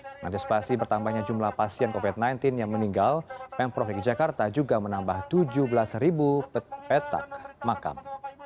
mengantisipasi bertambahnya jumlah pasien covid sembilan belas yang meninggal pemprov dki jakarta juga menambah tujuh belas petak makam